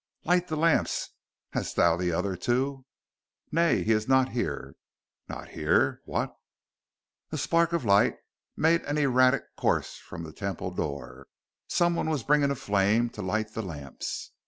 "Light the lamps! Hast thou the other, too?" "Nay he is not here." "Not here? What "A spark of light made an erratic course from the Temple door: someone was bringing a flame to light the lamps.